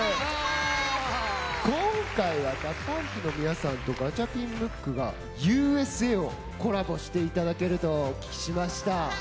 今回はＤＡＰＵＭＰの皆さんとガチャピン・ムックが「Ｕ．Ｓ．Ａ」をコラボしていただけるとお聞きしました。